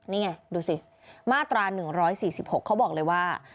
นี่ไงดูสิมาตรา๑๔๖เขาบอกเลยว่า